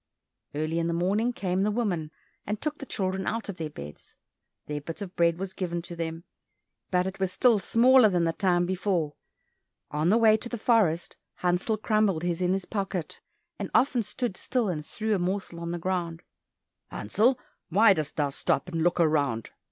Early in the morning came the woman, and took the children out of their beds. Their bit of bread was given to them, but it was still smaller than the time before. On the way into the forest Hansel crumbled his in his pocket, and often stood still and threw a morsel on the ground. "Hansel, why dost thou stop and look round?"